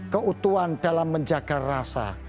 keutuhan dalam menjaga rasa